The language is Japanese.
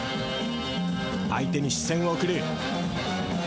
相手に視線を送る。